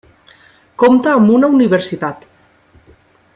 Compta amb una universitat.